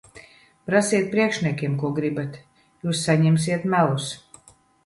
Prasiet priekšniekiem, ko gribat. Jūs saņemsiet melus.